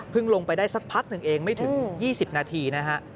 ลงไปได้สักพักหนึ่งเองไม่ถึง๒๐นาทีนะฮะ